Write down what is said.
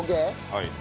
はい。